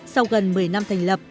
sau gần một mươi năm thành lập